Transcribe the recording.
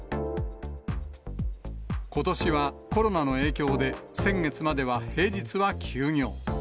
ことしはコロナの影響で、先月までは平日は休業。